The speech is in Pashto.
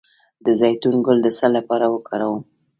د زیتون ګل د څه لپاره وکاروم؟